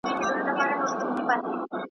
نه د جنګ وه نه د ښکار نه د وژلو .